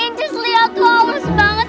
inci sliya tuh awas banget